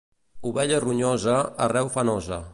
Ovella ronyosa, arreu fa nosa.